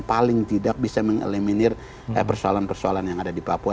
paling tidak bisa mengeliminir persoalan persoalan yang ada di papua